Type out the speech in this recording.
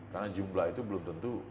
karena jumlah itu belum tentu